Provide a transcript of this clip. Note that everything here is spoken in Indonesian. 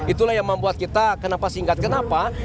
itulah yang membuat kita kenapa singkat kenapa